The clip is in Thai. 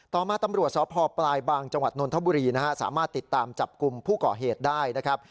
ต่อมาตำรวจสพปลายบางจังหวัดนนทบุรีนะฮะสามารถติดตามจับกลุ่มผู้ก่อเหตุได้นะครับ